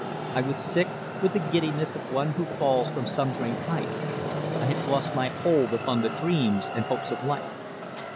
I was sick with the giddiness of one who falls from some great height. I had lost my hold upon the dreams and hopes of life.